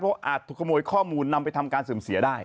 เพราะอาจถูกขโมยข้อมูลนำไปทำการเสื่อมเสียได้